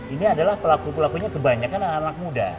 ini adalah pelaku pelakunya kebanyakan anak anak muda